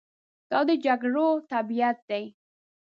دا د جګړو طبیعت دی.